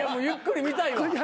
ゆっくり見たいわ。